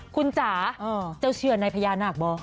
คุณจ๋าเจ้าเชื่อในพญานาคบ่